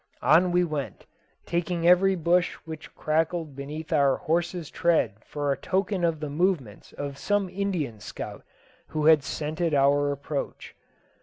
On we went, taking every bush which crackled beneath our horses' tread for a token of the movements of some Indian scout who had scented our approach.